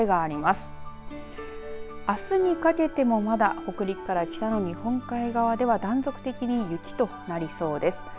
あすにかけても、まだ北陸や北の日本海側では断続的に雪となりそうです。